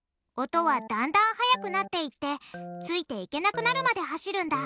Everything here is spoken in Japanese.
音はだんだん速くなっていってついていけなくなるまで走るんだ